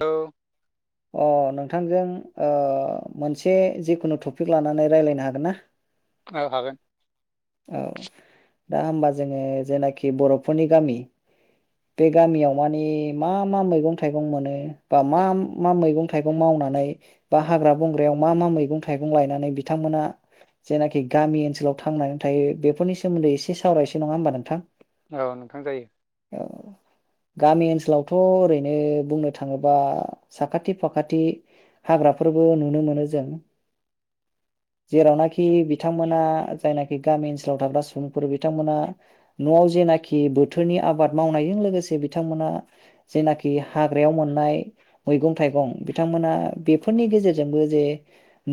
औ। अ नोंथांजों मोनसे जिखुनु टपिक लानानै रायज्लायनो हागोन ना। औ हागोन। औ दा होनबा जोङो जेनाखि बर'फोरनि गामि बे गामियाव मानि मा मा मैगं थाइगं मोनो बा मा मा मैगं थाइगं मावनानै बा हाग्रा बंग्रायाव मा मा मैगं थाइगं लायनानै बिथांमोना जेनाखि गामि ओनसोलाव थांनानै थायो बेफोरनि सोमोन्दै एसे सावरायसो नङा होमबा नोंथां। औ नोंथां जायो। औ गामि ओनसोलावथ' ओरैनो बुंनो थाङोबा साखाथि फाखाथि हाग्राफोरबो नुनो मोनो जों जेरावनाखि बिथांमोना जायनाखि गामि ओनसोलाव थाग्रा सुबुंफोर बिथांमोना न'आव जेनाखि बोथोरनि आबाद मावनायजों लोगोसे बिथांमोना जेनाखि हाग्रायाव मोननाय मैगं थाइगं बिथांमोना बेफोरनि गेजेरजोंबो जे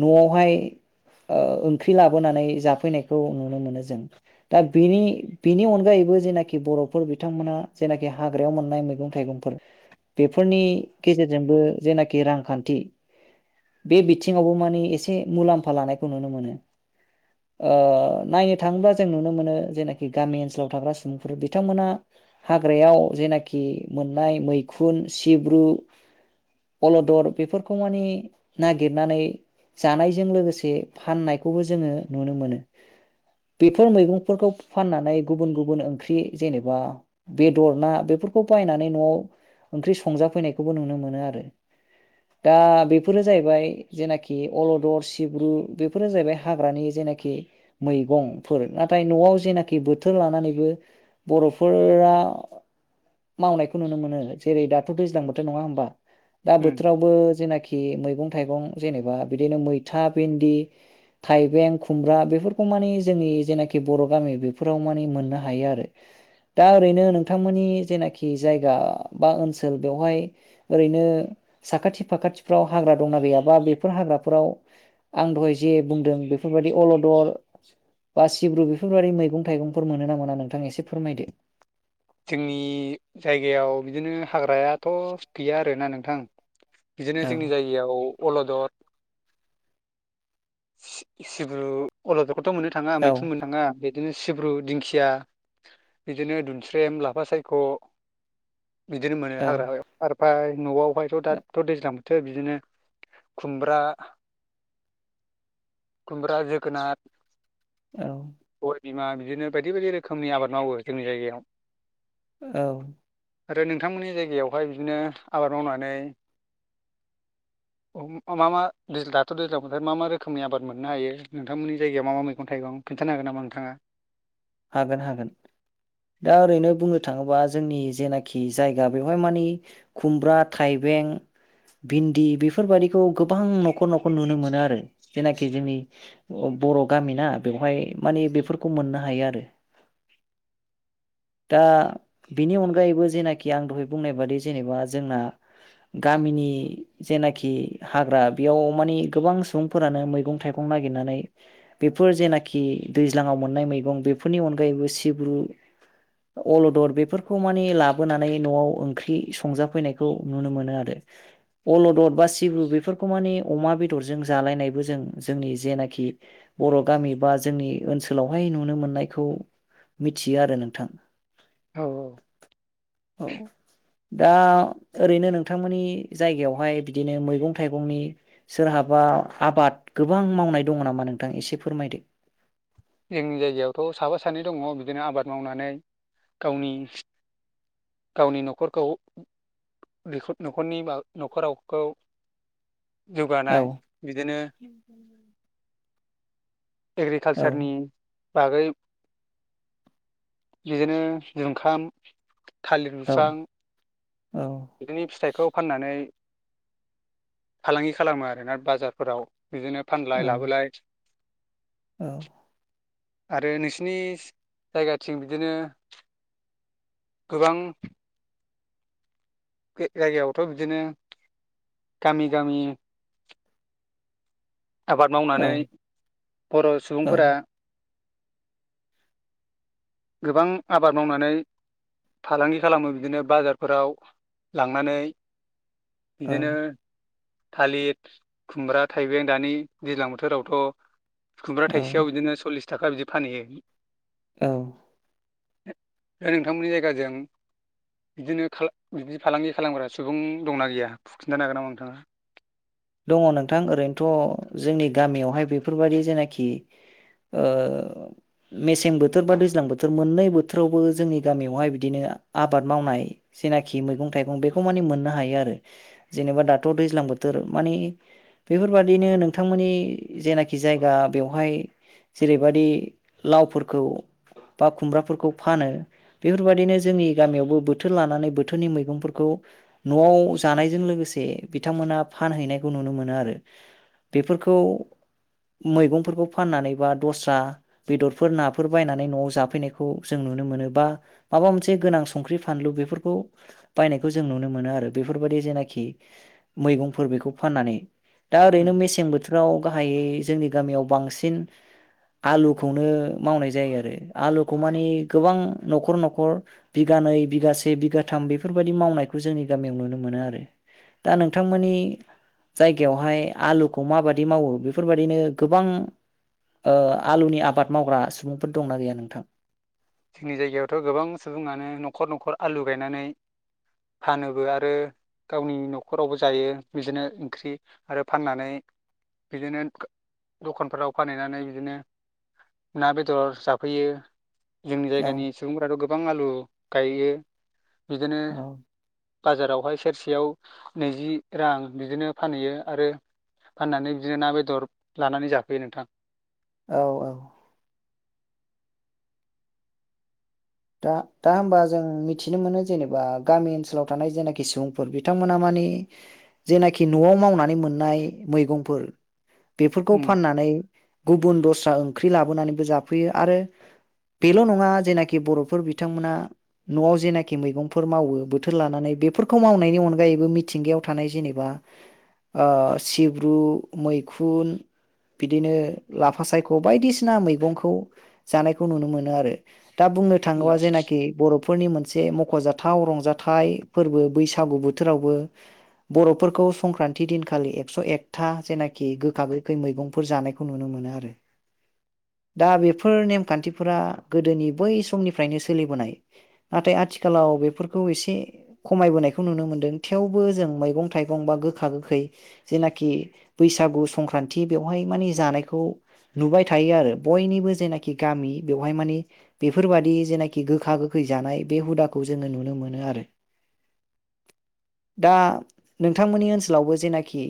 न'आवहाय ओंख्रि लाबोनानै जाफैनाय। खौ नुनो मोनो जों दा बेनि बेनि अनगायैबो जेनाखि बर'फोर बिथांमोना जेनाखि हाग्रायाव मोननाय मैगं थाइगंफोर बेफोरनि गेजेरजोंबो जेनाखि रांखान्थि बे बिथिङावबो माने एसे मुलाम्फा लानायखौ नुनो मोनो। नायनो थाङोब्ला जों नुनो मोनो जेनाखि गामि ओनसोलाव थाग्रा सुबुंफोर बिथांमोना हाग्रायाव जेनाखि मोननाय मैखुन, सिब्रु, अलदर बेफोरखौ मानि नागिरनानै जानायजों लोगोसे फाननायखौबो जोङो नुनो मोनो। बेफोर मैगंफोरखौ फाननानै गुबुन गुबुन ओंख्रि जेनेबा बेदर, ना बेफोरखौ बायनानै न'आव ओंख्रि संजाफैनायखौबो नुनो मोनो आरो दा बेफोरो जाहैबाय जेनाखि अलदर, सिब्रु बेफोरो जाहैबाय हाग्रानि जेनाखि मैगंफोर नाथाय न'आव जेनाखि बोथोर लानानैबो बर'फोरा मावनायखौ नुनो मोनो जेरै दाथ' दैज्लां बोथोर नङा होमबा। दा उम बोथोरावबो जेनाखि मैगं मैगं थाइगं जेनेबा बिदिनो मैथा, भिन्दि, थाइबें, खुमब्रा बेफोरखौ मानि जोंनि जेनाखि बर' गामि बेफोराव मानि मोननो हायो आरो दा ओरैनो नोंथांमोननि जेनाखि जायगा बा ओनसोल बेवहाय ओरैनो साखाथि फाखाथिफ्राव हाग्रा दंना गैयाबा बेफोर हाग्राफोराव आं दहाय जे बुंदों बेफोर बायदि अलदर बा सिब्रु बेफोर बायदि मैगं थाइगंफोर मोनोना मोना नोंथां एसे फोरमायदो। जोंनि जायगायाव बिदिनो हाग्रायाथ' गैया आरोना नोंथां। बिदिनो औ जोंनि जायगायाव अलदर। सिब्रु, अलदर थ' मोननो थाङा औ मैखुन मोननो थाङा। बिदिनो सिब्रु, दिंखिया बिदिनो दौवस्रेम लाफा सायख'। बिदिनो मोनो औ हाग्रायाव आरो। ओमफ्राय न'आव। शआमफ्रायथ' दाथ' दैज्लां। थो बिदिनो खुमब्रा कुमब्रा जोगोनाट औ बिमा बिदिनो बायदि बायदि रोखोमनि आबाद मावो जोंनि जायगायाव। औ आरो नोंथांमोननि जायगायावहाय बिदिनो आबाद मावनानै मा मा दैज दाथ दैज्लां बोथोर मा मा रो खोमनि आबाद मोननो हायो नोंथांमोननि जायगायाव मा मा मैगं थाइगं खिन्थानो हागोन नामा नोंथाङा? हागोन हागोन दा ओरैनो बुंनो थाङोबा जोंनि जेनाखि जायगा बेवहाय मानि खुमब्रा थाइबें भिन्दि बेफोरबायाददिखौ गोबां न'खर न'खर नुनो मोनो आरो जेनाखि जोंनि बर' गामिनाा बेवहाय मानि बेफोरखौ मोननो हायो आरो। [inaudible] दा बिनि अनगायैबो जेनाखि आं दहाय बुंनाय बादि जेनेबा जोंना गामिनि जेनाखि हाग्रा बेयाव मानिे गोबां सुबुंफोरानो मैगं थाइगं नागिरनानै बेफोर जेनाखि दैज्लाङाव मोननाय मैगं बेफोरनि अनगायैबो सिब्रु। अलदद बेफोरखौ मानि लाबोनानै न'आव ओंख्रि संजाफैनायखौ नुनो मोनो आरो अलदद बा सिबु बेफोरखौ मानि अमा बेदरजों जालायनायबो जों जोंनि जेनाखि बर' गामि बा जोंनि ओनसोलावहाय नुनो मोननायखौ मिथियो आरो नोंथां। औ औ औ दा ओरैनो नोंथांमोननि जायगायावहाय बिदिनो मैगं थाइगंनि सोरहाबा आबाद गोबां मावनाय दङ नामा नोंथां एसे फोरमायदो। जोंनि जायगायावथ' साबा सानै दङ बिदिनो आबाद मावनानै गावनि गावनि न'खरखौ न'खरनि न'खरावखौ औ जौगानाय बिदिनो एग्रिकाल औ सारनि बागै बिदिनो जुंखाम थालिर औ बिफां औ बिदिनो फिथाइखौ फाननानै फालांगि खालामो आरोना बाजारफोराव बिदिनो औ फानलाय लाबोलाय औ आरो नोंसिनि जायगाथिं बिदिनो गोबां बे जायगायावथ' बिदिनो गामि गामि आबाद मावनानै बर' औ सुबुंफोरा गोबां आबाद मावनानै फालांगि खालामो बिदिनो बाजारफोराव लांनानै बिदिनो औ थालिर खुमब्रा थाइबें दानि दैज्लां बोथोरावथ खुमब्रा औ थाइसेयाव बिदिनो सल्लिस थाखा बिदि फानहैयो औ नोंथांमोननि जायगाजों बिदिनो बि फालांगि खालामग्रा सुबुं दंना गैया फु खिन्थानो हागोन नामा नोंथाङा दङ नोंथां ओरैनोथ' जोंनि गामियावहाय बेफोरबायदि जेनाखि मेसें बोथोर बा दैज्लां बोथोर मोननै बोथोरावबो जोंनि गामियावहाय बिदिनो आबाद मावनाय जेनाखि मैगं थाइगं बेखौ मानि मोननो हायो आरो जेनेबा दाथ' दैज्लां बोथोर माने बेफोरबादिनो नोंथांमोननि जेनाखि जायगा बेवहाय जेरैबादि लावफोरखौ बा खुमब्राफोरखौ फानो बेफोरबायदिनो जोंनि गामियावबो बोथोर लानानै बोथोरनि मैगंफोरखौ न'आव जानायजों लोगोसे बिथांमोना फानहैनायखौ नुनो मोनो आरो बेफोरखौ मैगंफोरखौ फाननानै बा दस्रा बेदरफोर नाफोर बायनानै न'आव जाफैनायखौ जों नुनो मोनो बा माबा मोनसे गोनां संख्रि फानलु बेफोरखौ बायनायखौ जों नुनो मोनो आरो बेफोरबायाददि जेनाखि मैगं फोर बेखौ फाननानै दा ओरैनो मेसें बोथोराव गाहायै जोंनि गामियाव बांसिन आलुखौनो मावनाय जायो आरो आलुखौ माने गोबां नखर नखर बिगानै बिगासे बिगाथाम बेफोरबायदि मावनायखौ जोंनि गामियाव नुनो मोनो आरो दा नोंथां मोननि। जायगायावहाय आलुखौ माबादि मावो बेफोरबादिनो गोबां ओ आलुनि आबाद मावग्रा सुबुंफोर दंना गैया नोंथां जोंनि जायगायावथ' गोबां सुबुङानो न'खर न'खर आलु गायनानै फानोबो आरो गावनि न'खरावबो जायो बिदिनो ओंख्रि आरो फाननानै बिदिनो दखानफोराव फानहैनानै बिदिनो ना बेदर जाफैयो जोंनि औ जायगानि सुबुंफोराथ' गोबां आलु गायो बिदिनो औ बाजारावहाय सेरसेयाव नैजि रां बिदिनो फानहैयो आरो फाननानै बिदिनो ना बेदर लानानै जाफैयो नोंथां। औ औ दा दा होमबा जों मिथिनो मोनो जेनेबा गामि ओनसोलाव थानाय जेनाखि सुबुंफोर बिथांमोनहा माने जेनाखि न'आव मावनानै मोननाय मैगंफोर बेफोरखौ उम फाननानै गुबुन दस स्रा ओंख्रि लाबोनानैबो जाफैयो आरो बेल' नङा जेनाखि बर' फोर बिथांमोना न'आव जेनाखि मैगंफोर मावो बोथोर लानानै बेफोरखौ मावनायनि अनगायैबो मिथिंगायाव थानाय जेनेबा ओ सिब्रु मैखुन बिदिनो लाफा सायख' बायदिसिना मैगंखौ जानायखौ नुनो मोनो आरो दा बुं थाङोबा जेनाखि बर'फोरनि मोन से मख'जाथाव रंजाथाइ फोरबो बैसागु बोथोरावबो बर'फोरखौ संक्रान्ति दिनखालि एक्स' एकथा जेनाखि गोखा गोखै मैगंफोर जानायखौ नुनो मोनो आरो दा बेफोर नेमखान्थिफोरा गोदोनि बै समनिफ फ्राइनो सोलिबोनाय नाथाय आथिखालाव बेफोरखौ एसे खमायबोनायखौ नुनो मोनदों थेवबो जों मैगं थाइगं बा गोखा गोखै जेनाखि बैसागु संक्रानति बेवहाय माने जानायखौ नुबाय थायो आरो बयनिबो जेनाखि गामि बेवहाय माने बेफोरबादि जेनाखि गोखा गोखै जानाय बे हुदाखौ जोङो नुनो मोनो आरो दा नोंथांमोननि ओनसोलावबो जेनाखि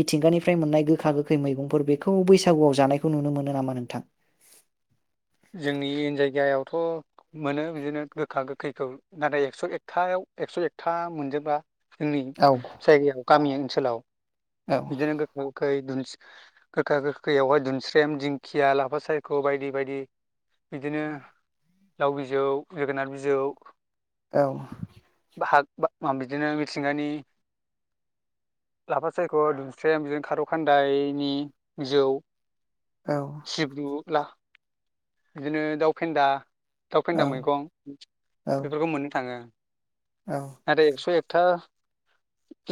मिथिंगानिफ्राय मोननाय गोखा गोखै मैगंफोर बेखौ बैसागुआव जानायखौ नुनो मोनो नामा नोंथां जोंनि जायगायावथ' मोनो बिदिनो गोखा गोखैखौ नाथाय एकस' एकथायाव एकस' एकथा मोनजोबा जोंनि औ जायगायाव गामि ओनस हेलौ औ बिदिनो गोखा गोखै दिनिस गोखा गोखैयावहाय दिनस्रेम दिंखिया लाफा सायख' बायदि बायदि बिदिनो लाव बिजौ जोगोनार बिजौ। औ हाग बा बिदिनो मिथिंगानि लाफा सायख' दुमस्रेम जों खारौ खान्दायनि जौ औ सिब्रुला बिदिनो दाउ फेन्दा दाउ फेन्दा मैगं बेफोरखौ मोननो थाङो। औ आरो एकस' एकथा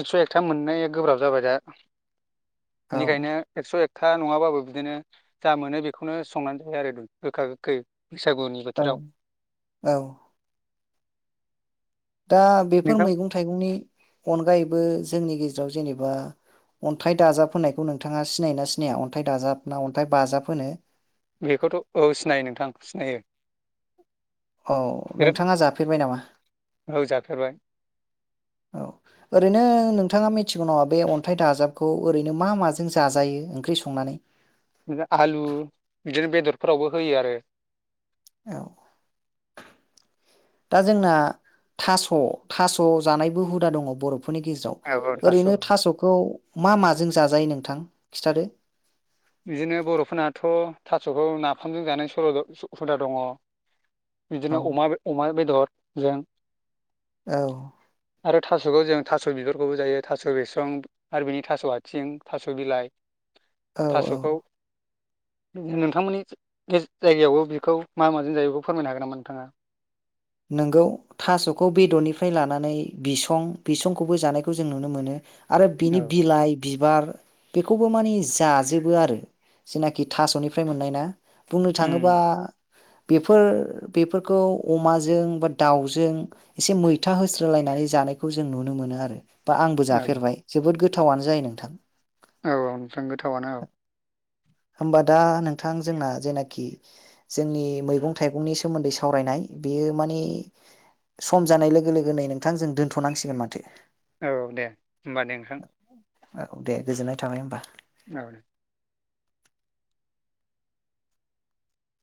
एकस' एकथा मोननाय गोब्राब जाबाय दा। औ बेनिखायनो एक्स' एक। था नङाबाबो बिदिनो जा मोनो बेखौनो संनानै जायो आरो। गोखा गोखै बैसागुनि औ बोथोराव औ दा बेफोर नोंथां मैगं थाइगंनि अनगायैबो। जोंनि गेजेराव जेनेबा अन्थाइ दाजाब होननायखौ नोंथाङा सिनायोना सिनाया अन्थाइ दाजाब ना अन्थाइ बाजाब होनो बेखौथ' ओ सिनायो नोंथां सिनायो औ बिराद नोंथाङा जाफेरबाय नामा औ जाफेरबाय औ ओरैनो नोंथाङा मिथ थिगआनो बे अन्थाइ दाजाबखौ ओरैनो मा माजों जाजायो ओंख्रि संनानै? [inaudible] आलु बिदिनो बेदरफोरावबो होयो आरो। औ दा जोंना थास' थास' जानायबो हुदा दङ बर' फोरनि औ औ गेजेराव थास' ओरैनो थास'खौ मा माजों जाजायो नों नोंथां खिथादो। बिदिनो बर'फोरनाथ' थास'खौ नाफामजों जानाय बर' द' हुदा दङ। औ बिदिनो अमा बे अमा बेदर जों। औ। आरो थास'खौ जों थास' बिबारखौबो जायो थास' बिसं आरो बिनि थास' आथिं थास' बिलाइ औ औ थास'खौ नोंथांमोननि जायगायावबो बेखौ मा माजों जायो बेखौ फोरमायनो हागोन नामा नोंथाङा? नोंगौ थास'खौ बेदरनिफ्राय लानानै बिसं बिसंखौबो जानायखौ जों नुनो मोनो। आरो बिनि औ बिलाइ बि बार बेखौबो माने जाजोबो आरो जेनाखि थास'निफ्राय मोननाय ना। बुंनो उम थाङोबा बेफोर-बेफोरखौ अमाजो जों बा दावजों एसे मैथा होस्रोलायनानै जानायखौ जों नुनो मोनो आरो। बा आंबो औ जाफेरबाय जोबोद गोथ गोथावआनो जायो नोंथां। औ औ नोंथां गोथावानो औ। होमबा दा नोंथां जोंना जेनाखि जोंनि मैगं थाइगंनि सोमोन्दै सावरायनाय बेयो माने सम जानाय लोगो लोगोनै नोंथां जों दोनथ'नांसिगोन माथो। औ दे होमबा दे नोंथां। औ दे गोजोननाय थाबाय होमबा। औ।